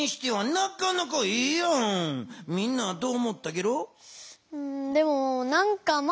みんなはどう思ったゲロ？